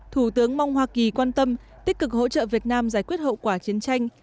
thủ tướng mong hoa kỳ quan tâm tích cực hỗ trợ việt nam giải quyết hậu quả chiến tranh